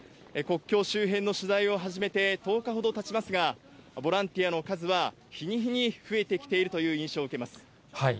国境周辺の取材を始めて１０日ほどたちますが、ボランティアの数は、日に日に増えてきているという印象を受けます。